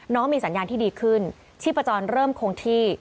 มีสัญญาณที่ดีขึ้นชีพจรเริ่มคงที่